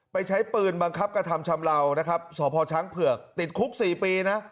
ใช้ปืนบังคับกระทำชำเลานะครับสพช้างเผือกติดคุก๔ปีนะ